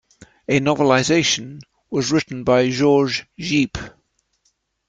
A novelization was written by George Gipe.